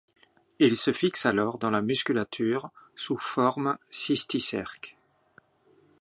Il se fixe alors dans la musculature sous forme cysticerque.